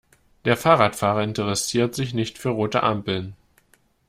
Der Fahrradfahrer interessiert sich nicht für rote Ampeln.